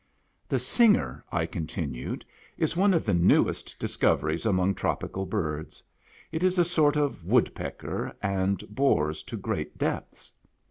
" The singer," I continued, " is one of the newest discoveries among tropical birds. It is a sort of woodpecker, and bores to great depths.